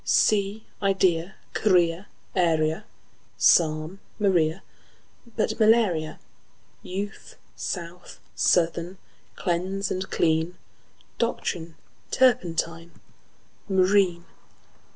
Sea, idea, guinea, area, Psalm; Maria, but malaria; Youth, south, southern; cleanse and clean; Doctrine, turpentine, marine.